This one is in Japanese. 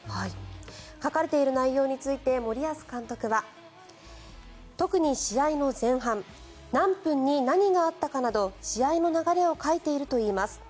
書かれている内容について森保監督は特に試合の前半何分に何があったかなど試合の流れを書いているといいます。